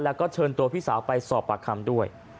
แล้วก็เชิญตัวพี่สาวไปสอบปากคำด้วย